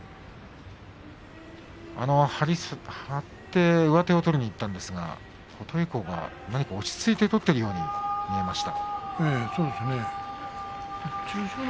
張って上手を取りにいきましたが琴恵光が何か落ち着いて取っているように見えました。